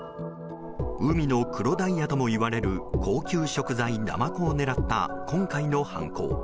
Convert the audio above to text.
海の黒ダイヤともいわれる高級食材ナマコを狙った今回の犯行。